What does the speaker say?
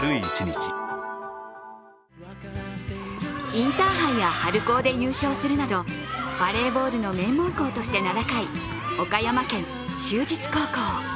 インターハイや春高で優勝するなどバレーボールの名門校として名高い岡山県・就実高校。